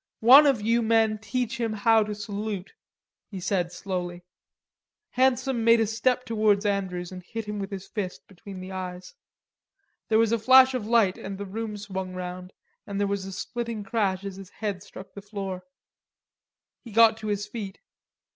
"One of you men teach him to salute," he said slowly. Handsome made a step towards Andrews and hit him with his fist between the eyes. There was a flash of light and the room swung round, and there was a splitting crash as his head struck the floor. He got to his feet.